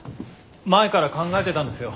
前から考えてたんですよ。